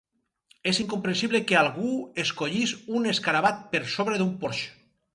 És incomprensible que algú escollís un Escarabat per sobre d'un Porsche.